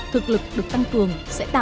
thực lực được tăng cường